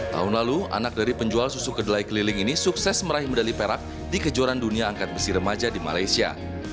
tahun lalu anak dari penjual susu kedelai keliling ini sukses meraih medali perak di kejuaraan dunia angkat besi remaja di malaysia